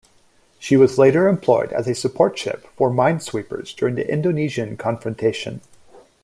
She was later employed as a support ship for minesweepers during the Indonesian Confrontation.